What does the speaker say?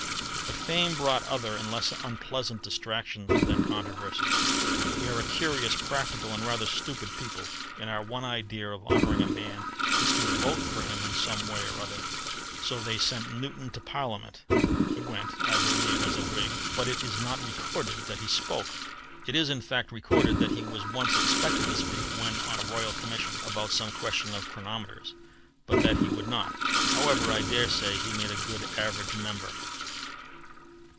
But fame brought other and less unpleasant distractions than controversies. We are a curious, practical, and rather stupid people, and our one idea of honouring a man is to vote for him in some way or other; so they sent Newton to Parliament. He went, I believe, as a Whig, but it is not recorded that he spoke. It is, in fact, recorded that he was once expected to speak when on a Royal Commission about some question of chronometers, but that he would not. However, I dare say he made a good average member.